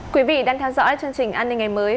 quý vị đang theo dõi chương trình an ninh ngày mới